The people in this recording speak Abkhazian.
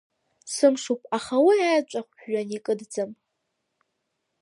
Сымшуп, аха уи аеҵәахә жәҩан икыдӡам.